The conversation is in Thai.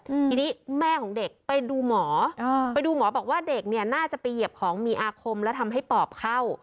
ทีนี้แม่ของเด็กไปดูหมออ่าไปดูหมอบอกว่าเด็กเนี่ยน่าจะไปเหยียบของมีอาคมแล้วทำให้ปอบเข้า